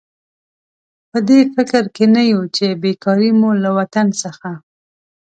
په دې فکر کې نه یو چې بېکاري مو له وطن څخه.